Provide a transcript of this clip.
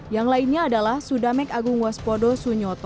yang lainnya adalah sudamek agung waspodo sunyoto